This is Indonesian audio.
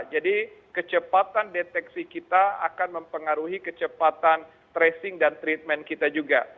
jadi kecepatan deteksi kita akan mempengaruhi kecepatan tracing dan treatment kita juga